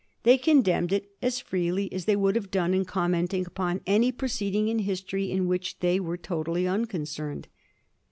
They condemned it as freely as they would have done in commenting upon any proceeding in history in which they were totally unconcerned."